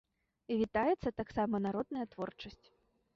Вітаецца таксама народная творчасць.